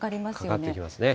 かかってきますね。